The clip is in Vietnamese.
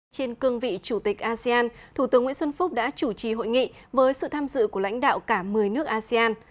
trên cương vị chủ tịch asean thủ tướng nguyễn xuân phúc đã chủ trì hội nghị với sự tham dự của lãnh đạo cả một mươi nước asean